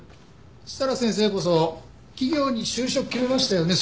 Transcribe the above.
設楽先生こそ企業に就職決めましたよね。